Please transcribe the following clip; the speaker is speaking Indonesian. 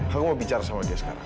kamu mau bicara sama dia sekarang